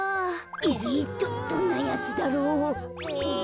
えどんなやつだろう。